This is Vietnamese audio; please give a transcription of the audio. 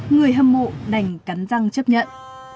người hâm mộ đành cắn răng chấp nhận